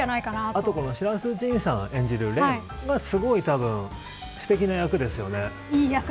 あと白洲迅さん演じる蓮がすごい、すてきな役ですよね。